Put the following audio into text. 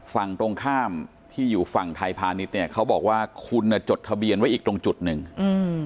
ฝั่งตรงข้ามที่อยู่ฝั่งไทยพาณิชย์เนี้ยเขาบอกว่าคุณน่ะจดทะเบียนไว้อีกตรงจุดหนึ่งอืม